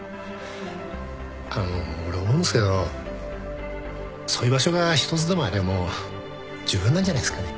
あの俺思うんですけどそういう場所が１つでもありゃもうじゅうぶんなんじゃないっすかね。